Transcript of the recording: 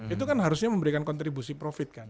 itu kan harusnya memberikan kontribusi profit kan